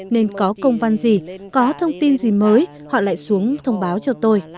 nên có công văn gì có thông tin gì mới họ lại xuống thông báo cho tôi